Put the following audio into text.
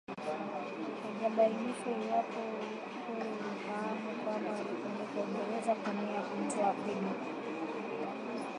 Haijabainishwa iwapo Ukpo alifahamu kwamba alipelekwa Uingereza kwa nia ya kumtoa figo